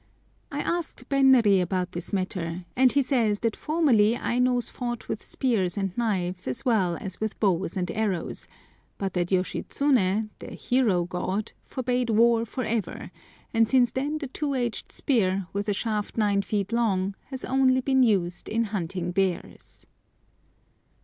I asked Benri about this matter, and he says that formerly Ainos fought with spears and knives as well as with bows and arrows, but that Yoshitsuné, their hero god, forbade war for ever, and since then the two edged spear, with a shaft nine feet long, has only been used in hunting bears.